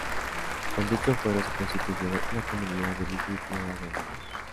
Con dicho Fuero se constituyó la Comunidad de villa y tierra de Andaluz.